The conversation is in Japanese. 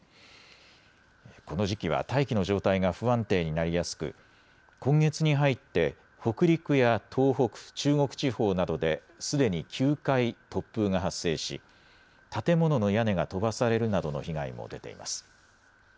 この時期は大気の状態が不安定になりやすく今月に入って北陸や東北、中国地方などですでに９回突風が発生し建物の屋根が飛ばされるなどの被害も出ています。